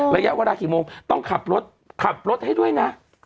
ระยะเวลากี่โมงต้องขับรถขับรถให้ด้วยนะ